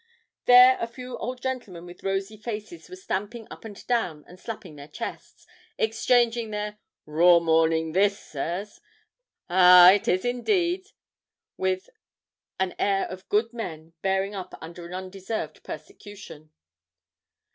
There a few old gentlemen with rosy faces were stamping up and down and slapping their chests, exchanging their 'Raw morning this, sir's,' 'Ah, it is indeed's,' with an air of good men bearing up under an undeserved persecution.